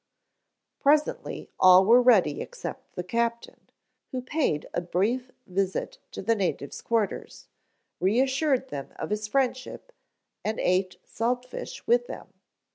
Presently all were ready except the captain, who paid a brief visit to the native's quarters, reassured them of his friendship and ate salt fish with them.